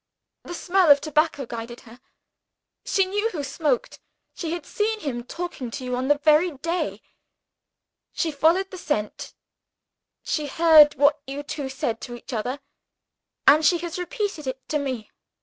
"The smell of tobacco guided her she knew who smoked she had seen him talking to you, on that very day she followed the scent she heard what you two said to each other and she has repeated it to me.